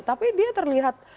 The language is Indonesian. tapi dia terlihat